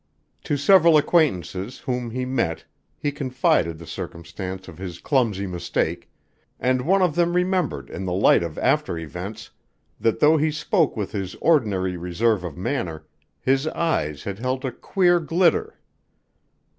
To several acquaintances whom he met he confided the circumstance of his clumsy mistake, and one of them remembered in the light of after events that though he spoke with his ordinary reserve of manner his eyes had held a "queer glitter."